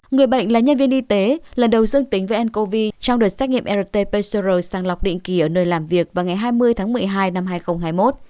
người bệnh là nhân viên y tế lần đầu dương tính với ncov trong đợt xét nghiệm rt pcr sang lọc định kỳ ở nơi làm việc vào ngày hai mươi tháng một mươi hai năm hai nghìn hai mươi một